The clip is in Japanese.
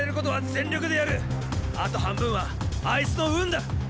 あと半分はあいつの運だ！